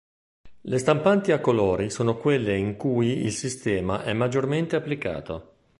Le stampanti a colori sono quelle in cui il sistema è maggiormente applicato.